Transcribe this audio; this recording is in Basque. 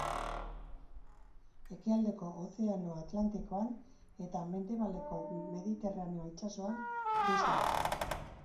Ekialdeko Ozeano Atlantikoan eta mendebaldeko Mediterraneo itsasoan bizi da.